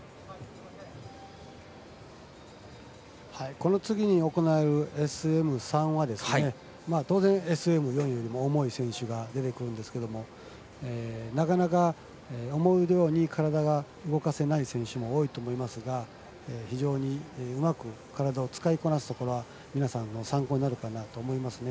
この次に行われるＳＭ３は当然、ＳＭ４よりも重い選手が出てくるんですけどなかなか、思うように体が動かせない選手も多いと思いますが非常にうまく体を使いこなすところは皆さんの参考になるかなと思いますね。